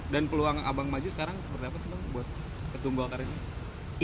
dan peluang abang maju sekarang seperti apa sih bang buat ketumbuh akar ini